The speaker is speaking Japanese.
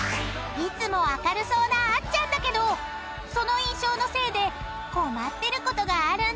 ［いつも明るそうなあっちゃんだけどその印象のせいで困ってることがあるんだって］